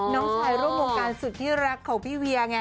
น้องชายโรควงการสุขที่รักของพี่เวีย